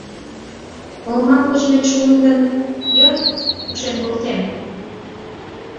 — Олмам кочмет шуын гын, йод — пукшен колтем!